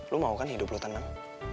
lu mau kan hidup lu tenang